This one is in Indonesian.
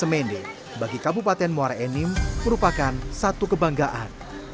semendir bagi kabupaten muara ini merupakan satu kebanggaan